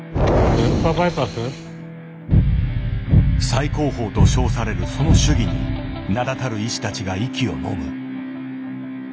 最高峰と称されるその手技に名だたる医師たちが息をのむ。